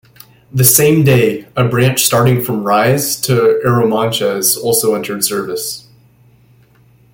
The same day, a branch starting from Ryes to Arromanches also entered service.